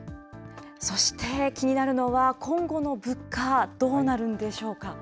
そして気になるのは今後の物価、どうなるんでしょうか。